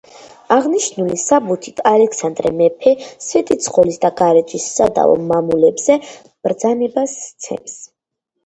აღნიშნული საბუთით ალექსანდრე მეფე, სვეტიცხოვლის და გარეჯის სადავო მამულებზე ბრძანებას სცემს.